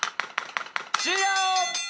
終了！